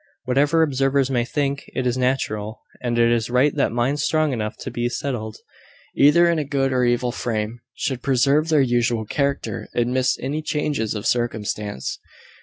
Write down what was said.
Whatever observers may think, it is natural and it is right that minds strong enough to be settled, either in a good or evil frame, should preserve their usual character amidst any changes of circumstance.